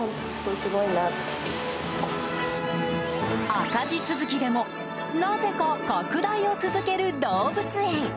赤字続きでもなぜか拡大を続ける動物園。